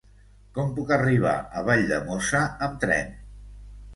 Com puc arribar a Valldemossa amb tren?